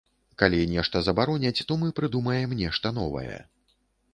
Калі нешта забароняць, то мы прыдумаем нешта новае.